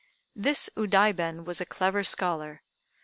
This Udaiben was a clever scholar.